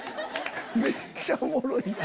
めっちゃおもろいな。